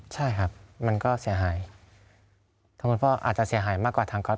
ใช่ครับมันก็เสียหายถ้าคุณพ่ออาจจะเสียหายมากกว่าทางก๊อต